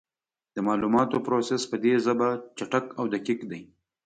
د معلوماتو پروسس په دې ژبه چټک او دقیق دی.